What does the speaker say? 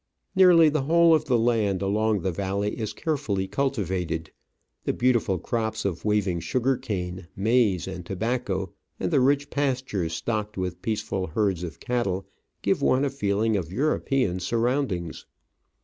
Nearly the whole of the land along the valley is care fully cultivated ; the beautiful crops of waving sugar cane, maize, and tobacco, and the rich pastures stocked with peaceful herds of cattle, give one a feeling of European surroundings.